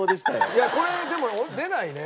いやこれでも出ないね